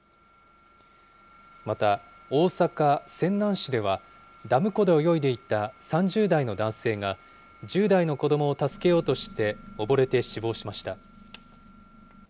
また、大阪・泉南市では、ダム湖で泳いでいた３０代の男性が、１０代の子どもを助けようとして溺れて死亡しました。